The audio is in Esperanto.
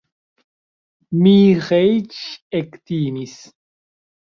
Miĥeiĉ ektimis.